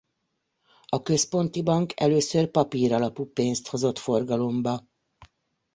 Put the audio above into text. A központi bank először papír alapú pénzt hozott forgalomba.